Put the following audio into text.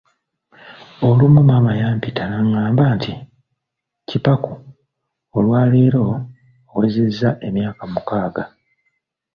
Olumu ku makya maama yampita n'angamba nti, Kipaku, olwaleero owezezza emyaka mukaaga.